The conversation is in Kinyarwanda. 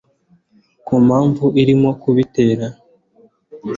ku mpamvu irimo kubitera